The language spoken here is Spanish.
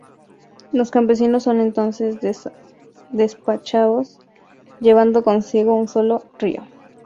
Los campesinos son entonces despachados, llevando consigo un solo ryō.